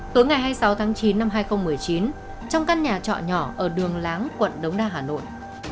tối ngày hai mươi sáu tháng chín năm hai nghìn một mươi chín trong căn nhà trọ nhỏ ở đường láng quận đống đa hà nội